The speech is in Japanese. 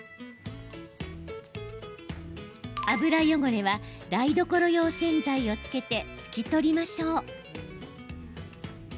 油汚れは、台所用洗剤をつけて拭き取りましょう。